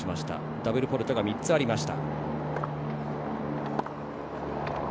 ダブルフォールトが３つありました。